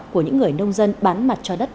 của những người nông dân bán mặt cho đất